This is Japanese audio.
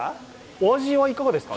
お味はいかがですか？